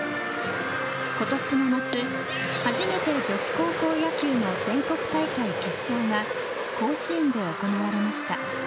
今年の夏、初めて女子高校野球の全国大会決勝が甲子園で行われました。